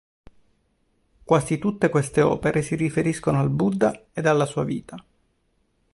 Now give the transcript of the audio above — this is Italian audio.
Quasi tutte queste opere si riferiscono al Buddha ed alla sua vita.